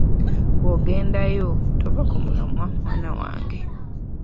Bw’ogendayo, tova ku mulamwa mwana wange.